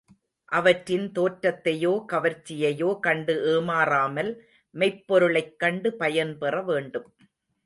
அவற்றின் தோற்றத்தையோ, கவர்ச்சியையோ கண்டு ஏமாறாமல், மெய்ப் பொருளைக் கண்டு பயன்பெற வேண்டும்.